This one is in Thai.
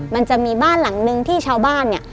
มันจะมีบ้านหลังนึงที่ชาวบ้านเนี่ย